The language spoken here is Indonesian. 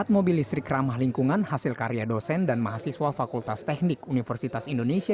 empat mobil listrik ramah lingkungan hasil karya dosen dan mahasiswa fakultas teknik universitas indonesia